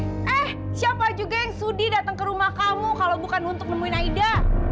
eh siapa juga yang sudi datang ke rumah kamu kalau bukan untuk nemuin aida